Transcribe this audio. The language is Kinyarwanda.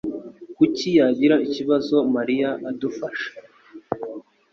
Kuki yagira ikibazo Mariya adufasha?